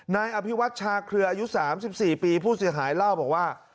นายอภิวัตชาเครืออายุ๓๔ปีผู้เสียหายเล่าบอกว่า